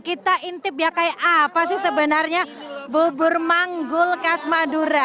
kita intip ya kayak apa sih sebenarnya bubur manggul khas madura